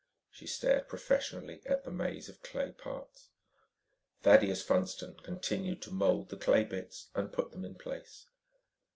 She stared professionally at the maze of clay parts. Thaddeus Funston continued to mold the clay bits and put them in place.